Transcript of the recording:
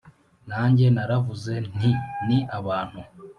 Nanjye naravuze nti ni abantu